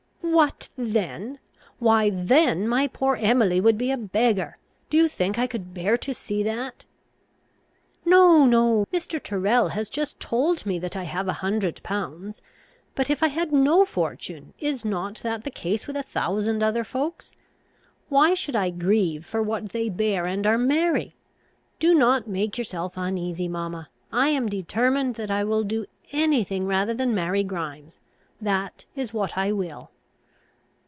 "What then! Why then my poor Emily would be a beggar. Do you think I could bear to see that?" "No, no. Mr. Tyrrel has just told me that I have a hundred pounds. But if I had no fortune, is not that the case with a thousand other folks? Why should I grieve, for what they bear and are merry? Do not make yourself uneasy, mamma. I am determined that I will do any thing rather than marry Grimes; that is what I will."